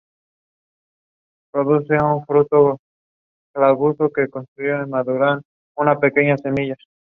Estas afirmaciones siguen siendo un tema de debate.